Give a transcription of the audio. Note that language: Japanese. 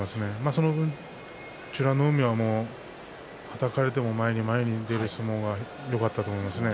その分、美ノ海ははたかれても前に前に出る相撲がよかったと思いますね。